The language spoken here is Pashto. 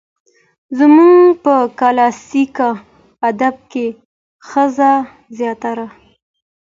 زموږ په کلاسيک ادب کې ښځه زياتره